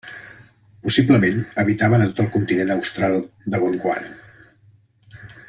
Possiblement habitaven a tot el continent austral de Gondwana.